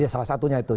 ya salah satunya itu